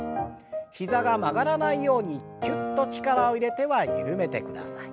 膝が曲がらないようにきゅっと力を入れては緩めてください。